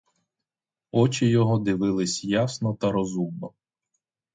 Очі його дивились ясно та розумно.